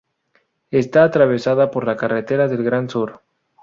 Está atravesada por la "Carretera del Gran Sur".